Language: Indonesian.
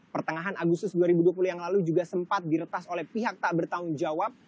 pertengahan agustus dua ribu dua puluh yang lalu juga sempat diretas oleh pihak tak bertanggung jawab